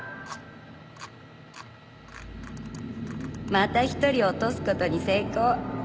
「また１人落とすことに成功」